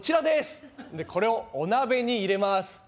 でこれをお鍋に入れます。